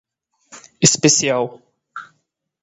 especial